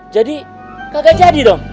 jadi kagak jadi dong